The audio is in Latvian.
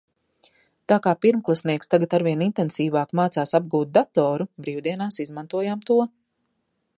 Tā kā pirmklasnieks tagad arvien intensīvāk mācās apgūt datoru, brīvdienās izmantojām to.